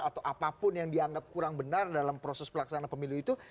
atau apapun yang dianggap kurang benar dalam proses pelaksanaan pemilu itu